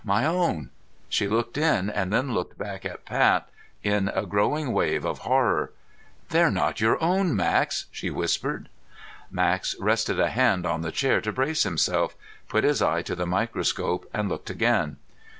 "My own " She looked in, and then looked back at Pat in a growing wave of horror. "They're not your own, Max!" she whispered. Max rested a hand on the table to brace himself, put his eye to the microscope, and looked again.